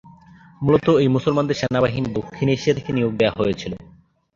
মূলত, এই মুসলমানদের সেনাবাহিনী দক্ষিণ এশিয়া থেকে নিয়োগ দেওয়া হয়েছিল।